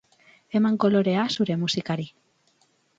Eman kolorea zure musikari.